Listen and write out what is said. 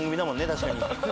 確かに。